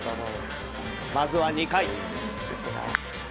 まずは２回。